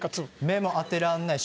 目も当てらんない